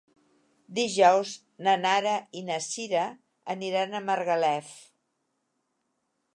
Dijous na Nara i na Sira aniran a Margalef.